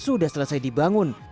sudah selesai dibangun